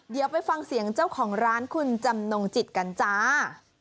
เดี๋ยวไปฟังเสียงเจ้าของร้านคุณจำนงจิตกันจ้า